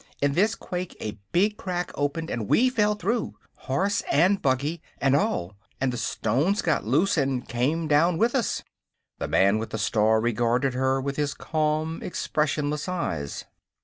In this quake a big crack opened and we fell through horse and buggy, and all and the stones got loose and came down with us." The man with the star regarded her with his calm, expressionless eyes.